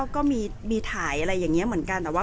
แต่ว่าสามีด้วยคือเราอยู่บ้านเดิมแต่ว่าสามีด้วยคือเราอยู่บ้านเดิม